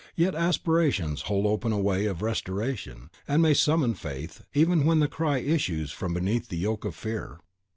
Yet aspiration holds open a way of restoration, and may summon Faith, even when the cry issues from beneath the yoke of fear.